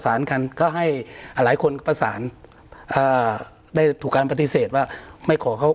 ท่านเขาให้หลายคนประสานอ่าได้ถูกการปฤติเศษว่าไม่ขอเข้า